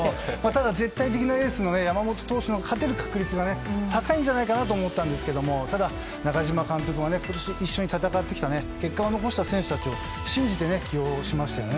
絶対的エースの山本が勝てる確率が高いんじゃないかと思ったんですがただ、中嶋監督は一緒に戦ってきた結果を残した選手たちを信じて起用しましたね。